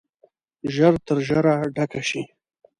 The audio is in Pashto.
ژر تر ژره ډکه شي.